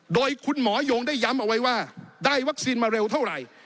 โดยคุณหมอยงได้ย้ำเอาไว้ว่าได้วัคซีนมาเร็วเท่าไหร่